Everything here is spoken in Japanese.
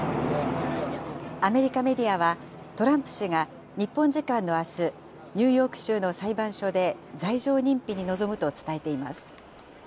アメリカメディアは、トランプ氏が日本時間のあす、ニューヨーク州の裁判所で罪状認否に臨むと伝えています。